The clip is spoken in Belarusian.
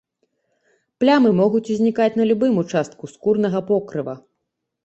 Плямы могуць узнікаць на любым участку скурнага покрыва.